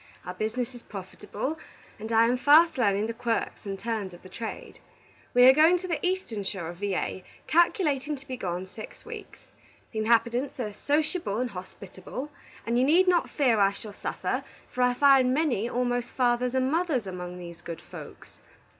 Our business is profitable, and I am fast learning the Quirks and Turns of trade. We are going to the eastern shore of Va., calculating to be gone six weeks. The inhabitants are sociable and hospitable, and you need not fear I shall suffer, for I find many almost fathers and mothers among these good folks.